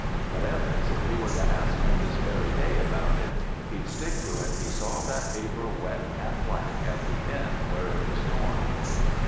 But Evans, if you were to ask him this very day about it, he'd stick to it he saw that paper wet and black at the end where it was torn."